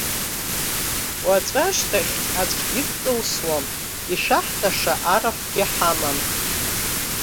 Уаҵәашьҭахь аӡәгьы дкылсуам, ишәаҳҭаша арахәгьы ҳамам!